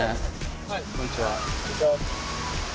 こんにちは。